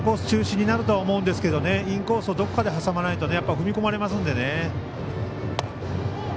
中心になると思うんですけどインコースをどこかで挟まないと踏み込まれますので寝。